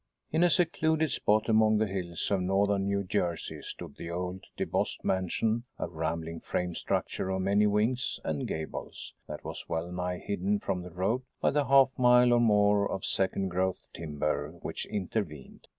] In a secluded spot among the hills of northern New Jersey stood the old DeBost mansion, a rambling frame structure of many wings and gables that was well nigh hidden from the road by the half mile or more of second growth timber which intervened.